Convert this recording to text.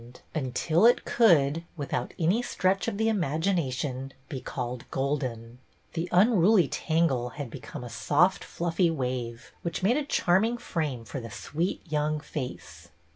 BETTY BAIRD 278 until it could, without any stretch of the imagination, be called golden ; the unruly tangle had become a soft, fluffy wave, which made a charming frame for the sweet young face.